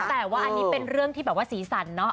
แต่ว่าอันนี้เป็นเรื่องที่แบบว่าสีสันเนาะ